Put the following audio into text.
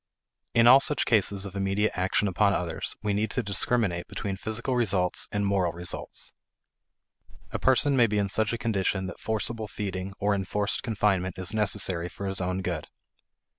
In all such cases of immediate action upon others, we need to discriminate between physical results and moral results. A person may be in such a condition that forcible feeding or enforced confinement is necessary for his own good.